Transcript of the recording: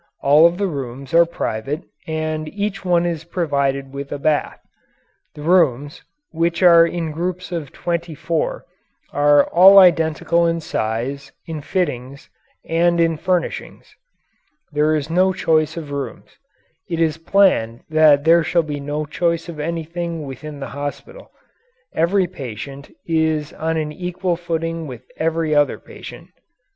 All of the rooms are private and each one is provided with a bath. The rooms which are in groups of twenty four are all identical in size, in fittings, and in furnishings. There is no choice of rooms. It is planned that there shall be no choice of anything within the hospital. Every patient is on an equal footing with every other patient.